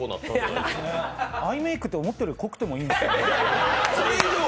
そうですね、アイメイクって思ったより濃くてもいいんですね。